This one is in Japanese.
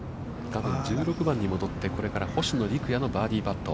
画面は１６番に戻って、これから星野陸也のバーディーパット。